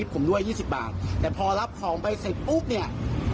ผมด้วย๒๐บาทแต่พอรับของไปเสร็จปุ๊บเนี่ย